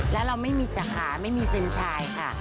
แล้วเราไม่มีสาขาไม่มีเฟรนชายค่ะ